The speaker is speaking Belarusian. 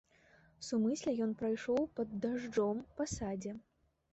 Сумысля ён прайшоў пад дажджом па садзе.